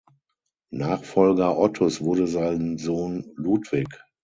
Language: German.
Nachfolger Ottos wurde sein Sohn Ludwig.